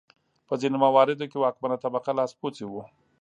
په ځینو مواردو کې واکمنه طبقه لاسپوڅي وو.